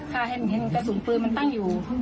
ค่ะเห็นกระสุนปืนมันตั้งอยู่